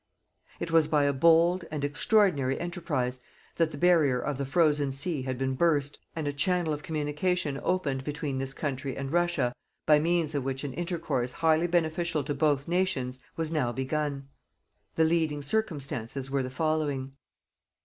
It was by a bold and extraordinary enterprise that the barrier of the Frozen Sea had been burst, and a channel of communication opened between this country and Russia by means of which an intercourse highly beneficial to both nations was now begun: the leading circumstances were the following.